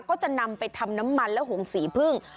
ก็จะนำไปทำน้ำมันและหงสีพึ่ง